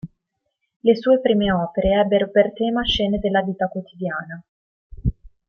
Le sue prime opere ebbero per tema scene della vita quotidiana.